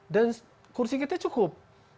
dan kursi kita cukup